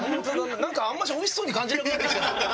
なんかあんましおいしそうに感じなくなってきたな。